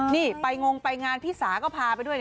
นี่ไปงงไปงานพี่สาก็พาไปด้วย